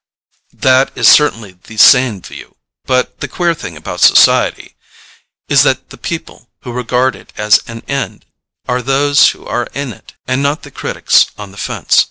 "That is certainly the sane view; but the queer thing about society is that the people who regard it as an end are those who are in it, and not the critics on the fence.